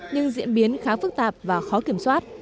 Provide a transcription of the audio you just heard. nhưng diễn biến khá phức tạp và khó kiểm soát